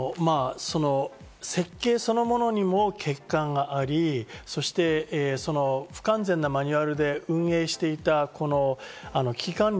設計そのものにも欠陥があり、そして不完全なマニュアルで運営していた。